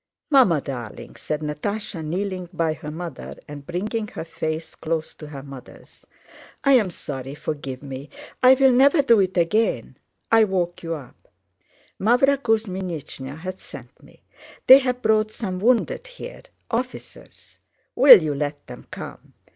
"Mamma darling!" said Natásha, kneeling by her mother and bringing her face close to her mother's, "I am sorry, forgive me, I'll never do it again; I woke you up! Mávra Kuzmínichna has sent me: they have brought some wounded here—officers. Will you let them come?